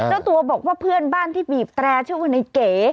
เจ้าตัวบอกว่าเพื่อนบ้านที่บีบแตรชื่อว่าในเก๋